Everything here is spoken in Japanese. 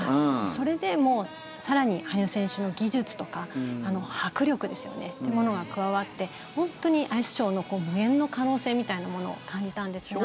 それで更に羽生選手の技術とか迫力ですよねというものが加わって本当にアイスショーの無限の可能性みたいなものを感じたんですが。